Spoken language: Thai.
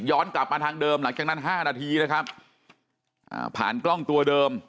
กลับมาทางเดิมหลังจากนั้น๕นาทีนะครับผ่านกล้องตัวเดิม